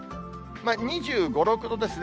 ２５、６度ですね。